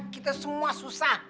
kita semua susah